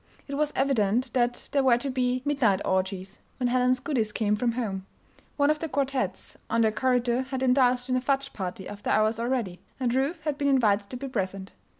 It was evident that there were to be "midnight orgies" when Helen's goodies came from home. One of the quartettes on their corridor had indulged in a fudge party after hours already, and Ruth had been invited to be present.